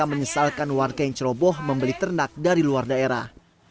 menyesalkan warga yang ceroboh membeli ternak dari luar daerah